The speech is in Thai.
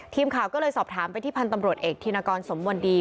ทีมข่าวก็เลยสอบถามไปที่พันธ์ตำรวจเอกธินกรสมมณดี